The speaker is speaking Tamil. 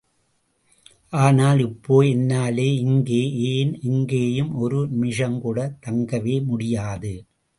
ஆனால் இப்போ என்னாலே இங்கே, ஏன் எங்கேயும் ஒரு நிமிஷங்கூட தங்கவே முடியாது.